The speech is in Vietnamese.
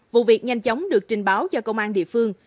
vụ việc nhanh chóng được trình báo cho công an địa phương